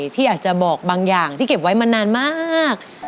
ที่อยากจะบอกบางอย่างที่เก็บไว้มานานมาก